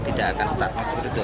tidak akan setat seperti itu